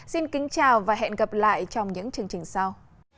xin kính chào và hẹn gặp lại trong những chương trình sau